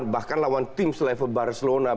bahkan lawan tim selevel barcelona